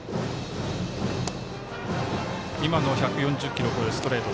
今のは１４０キロを超えるストレート。